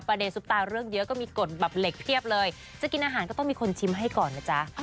เดซุปตาเรื่องเยอะก็มีกฎแบบเหล็กเพียบเลยจะกินอาหารก็ต้องมีคนชิมให้ก่อนนะจ๊ะ